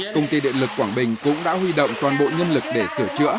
công ty điện lực quảng bình cũng đã huy động toàn bộ nhân lực để sửa chữa